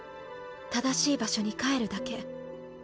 正しい場所に帰るだけ。